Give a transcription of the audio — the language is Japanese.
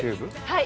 はい。